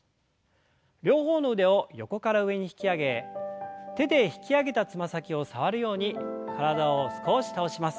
両方の腕を横から上に引き上げ手で引き上げたつま先を触るように体を少し倒します。